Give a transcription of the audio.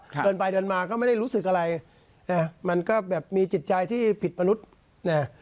เดินไปเดินมาก็ไม่ได้รู้สึกอะไรนะมันก็แบบมีจิตใจที่ผิดมนุษย์นะ